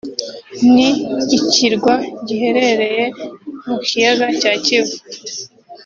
ni ikirwa giherereye mu kiyaga cya Kivu